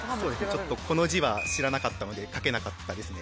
ちょっとこの字は知らなかったので書けなかったですね